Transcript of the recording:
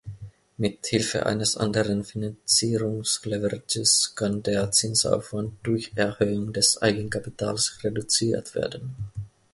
Mit Hilfe eines anderen Finanzierungs-Leverages kann der Zinsaufwand durch Erhöhung des Eigenkapitals reduziert werden.